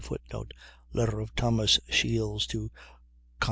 [Footnote: Letter of Thomas Shields to Com.